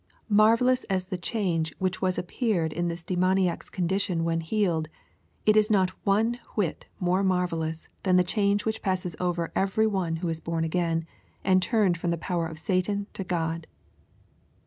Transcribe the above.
Marvellous as the change was which appeared in this demoniac's condition when healed, it is not one whit more marvellous than the change which passes over every one who is bom again, and turned fix)m the power of Satan to God.